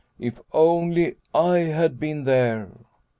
" If only I had been there."